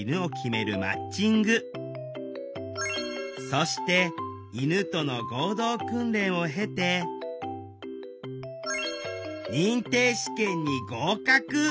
そして犬との合同訓練を経て認定試験に合格！